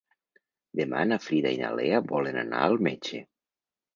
Demà na Frida i na Lea volen anar al metge.